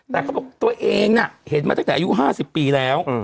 แต่เขาบอกตัวเองน่ะเห็นมาตั้งแต่อายุ๕๐ปีแล้ว